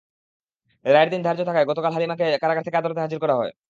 রায়ের দিন ধার্য থাকায় গতকাল হালিমাকে কারাগার থেকে আদালতে হাজির করা হয়।